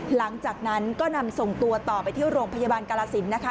หลังจากนั้นก็นำส่งตัวต่อไปที่โรงพยาบาลกาลสินนะคะ